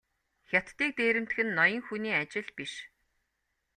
Хятадыг дээрэмдэх нь ноён хүний ажил биш.